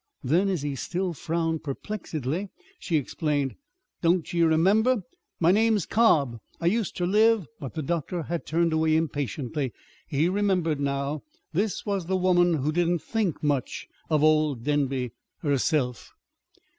Then, as he still frowned perplexedly, she explained: "Don't ye remember? My name's Cobb. I used ter live " But the doctor had turned away impatiently. He remembered now. This was the woman who didn't "think much of old Denby" herself.